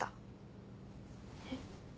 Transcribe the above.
えっ？